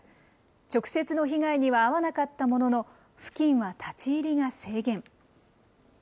直接の被害には遭わなかったものの、付近は立ち入りが制限。